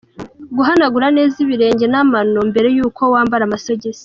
Guhanagura neza ibirenge n’amano mbere y’uko wambara amasogisi.